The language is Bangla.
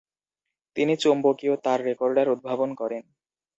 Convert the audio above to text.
তিনি চৌম্বকীয় তার রেকর্ডার উদ্ভাবন করেন।